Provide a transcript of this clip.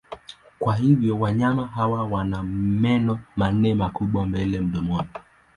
Kwa hivyo wanyama hawa wana meno manne makubwa mbele mdomoni.